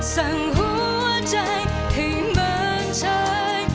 สั่งหัวใจให้เหมือนชาย